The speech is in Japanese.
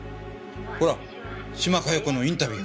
ほら島加代子のインタビュー。